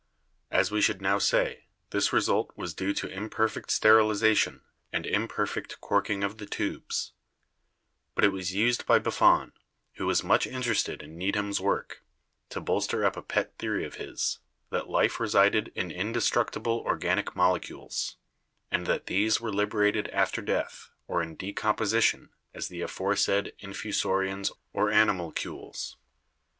As we should now say, this result was due to imperfect sterilization and imperfect corking of the tubes ; but it was used by Buffon, who was much interested in Needham's work, to bolster up a pet theory of his, that life resided in indestructible organic molecules, and that these were liberated after death or in decomposition as the aforesaid Infusorians or animalcules.